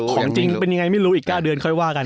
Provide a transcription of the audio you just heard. ของจริงเป็นยังไงไม่รู้อีก๙เดือนค่อยว่ากัน